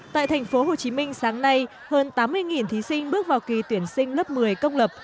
tại tp hcm sáng nay hơn tám mươi thí sinh bước vào kỳ tuyển sinh lớp một mươi công lập